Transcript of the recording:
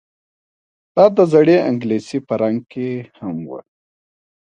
دا د زړې انګلیسي په رنګ کې هم وه